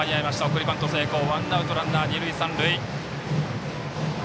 送りバント成功ワンアウトランナー、二塁三塁。